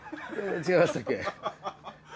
違いましたっけ？